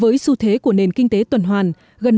với xu thế của nền kinh tế tuần hoàn